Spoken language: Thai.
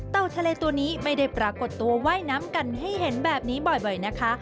ทะเลตัวนี้ไม่ได้ปรากฏตัวว่ายน้ำกันให้เห็นแบบนี้บ่อยนะคะ